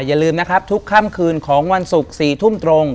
อย่าลืมนะครับทุกค่ำคืนของวันศุกร์๔ทุ่มตรง